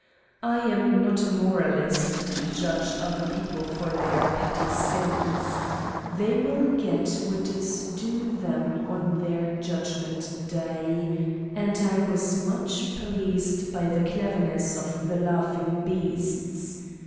I am not a moralist to judge other peo ple for their petty sins : they will get what is due them on their Judgment Day and I was much pleased by the cleverness of the laughing beasts.